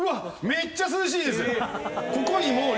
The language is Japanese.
めっちゃ涼しいです！